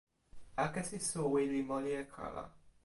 akesi suwi li moli e kala